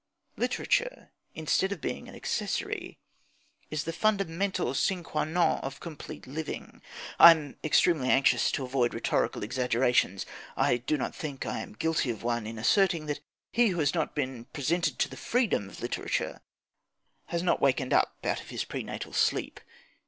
Literature, instead of being an accessory, is the fundamental sine qua non of complete living. I am extremely anxious to avoid rhetorical exaggerations. I do not think I am guilty of one in asserting that he who has not been "presented to the freedom" of literature has not wakened up out of his prenatal sleep.